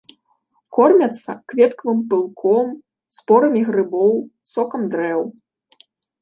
Кормяцца кветкавым пылком, спорамі грыбоў, сокам дрэў.